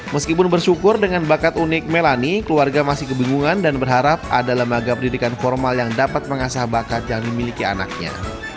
meskipun bersyukur dengan bakat unik melani keluarga masih kebingungan dan berharap ada lembaga pendidikan formal yang dapat mengasah bakat yang dimiliki anaknya